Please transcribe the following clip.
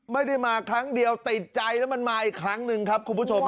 ไม่ได้มาครั้งเดียวติดใจแล้วมันมาอีกครั้งหนึ่งครับคุณผู้ชม